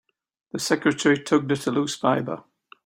The secretary tugged at a loose fibre.